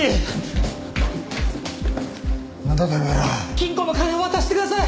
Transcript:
金庫の金を渡してください！